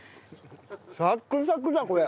サックサクだこれ。